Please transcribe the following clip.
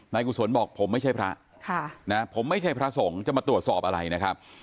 กุศลบอกผมไม่ใช่พระผมไม่ใช่พระสงฆ์จะมาตรวจสอบอะไรนะครับ